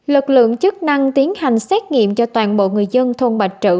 lực lượng chức năng tiến hành xét nghiệm cho toàn bộ người dân thôn bạch trự